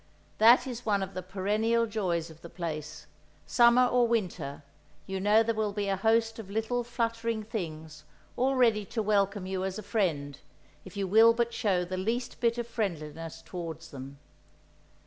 That is one of the perennial joys of the place; summer or winter you know there will be a host of little fluttering things all ready to welcome you as a friend, if you will but show the least bit of friendliness towards them.